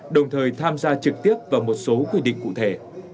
đồng thời tham gia trực tiếp vào một số quy định cụ thể